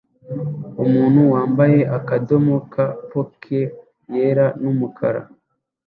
Umuntu wambaye akadomo ka polka yera numukara